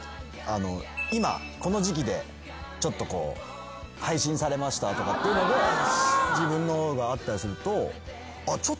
今この時期で配信されましたとかっていうので自分のがあったりすると。